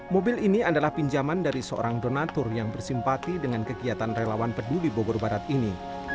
mobil ini adalah pinjaman dari seorang donatur yang bersimpati dengan kegiatan relawan peduli bogor barat ini